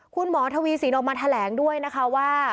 คุณหมอทวีสินออกมาแถลงด้วยนะคะว่า